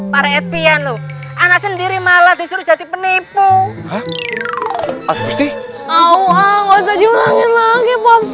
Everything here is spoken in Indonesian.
para etian lu anak sendiri malah disuruh jadi penipu atau sih awang usah jualan lagi pops